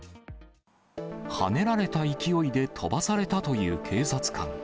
はねられた勢いで飛ばされたという警察官。